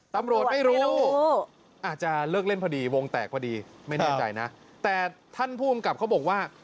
ตำรวจไม่รู้อาจจะเลิกเล่นพอดีวงแตกพอดีไม่แน่ใจนะแต่ท่านผู้กำกับเขาบอกว่า